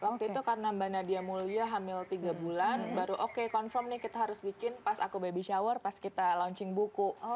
waktu itu karena mbak nadia mulya hamil tiga bulan baru oke confirm nih kita harus bikin pas aku baby shower pas kita launching buku